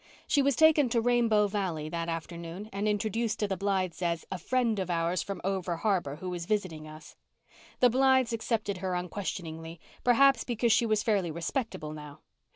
She was taken to Rainbow Valley that afternoon and introduced to the Blythes as "a friend of ours from over harbour who is visiting us." The Blythes accepted her unquestioningly, perhaps because she was fairly respectable now.